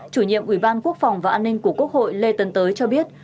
chủ nhiệm ủy ban quốc phòng và an ninh của quốc hội lê tấn tới cho biết